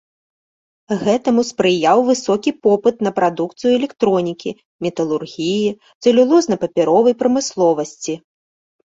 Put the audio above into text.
Гэтаму спрыяў высокі попыт на прадукцыю электронікі, металургіі, цэлюлозна-папяровай прамысловасці.